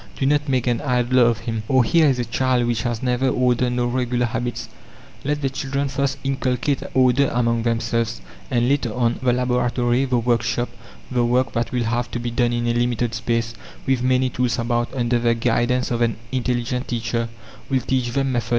Do not make an idler of him!... Or, here is a child which has neither order nor regular habits. Let the children first inculcate order among themselves, and later on, the laboratory, the workshop, the work that will have to be done in a limited space, with many tools about, under the guidance of an intelligent teacher, will teach them method.